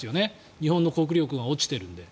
日本の国力が落ちてるんで。